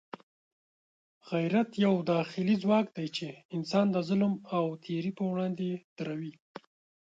غیرت یو داخلي ځواک دی چې انسان د ظلم او تېري پر وړاندې دروي.